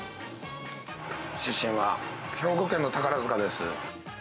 出身は兵庫県の宝塚です。